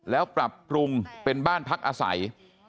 แล้วปรับปรุงเป็นบ้านพักอาศัย